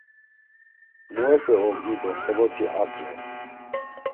Muepe ogni do xoloti ak re.